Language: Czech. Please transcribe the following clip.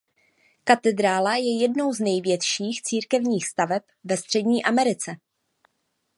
Katedrála je jednou z největších církevních staveb ve Střední Americe.